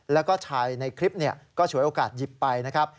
แล้วก็ชายในคลิปก็ฉวยโอกาสหยิบไปนะครับ